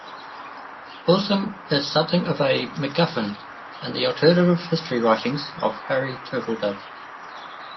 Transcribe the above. Wilson is something of a macguffin in the alternative history writings of Harry Turtledove.